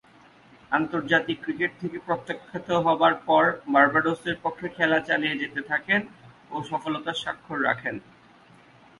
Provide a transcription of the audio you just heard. আন্তর্জাতিক ক্রিকেট থেকে প্রত্যাখ্যাত হবার পর, বার্বাডোসের পক্ষে খেলা চালিয়ে যেতে থাকেন ও সফলতার স্বাক্ষর রাখেন।